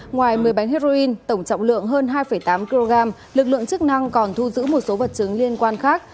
ngoài một mươi bánh heroin tổng trọng lượng hơn hai tám kg lực lượng chức năng còn thu giữ một số vật chứng liên quan khác